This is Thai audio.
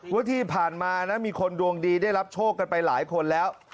ว่าที่ผ่านมานะมีคนดวงดีได้รับโชคกันไปหลายคนแล้ว